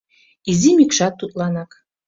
Изи мӱкшат тудланак